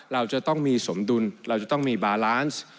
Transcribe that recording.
เราจะต้องมีสมดุลเราจะต้องมีบาลานซ์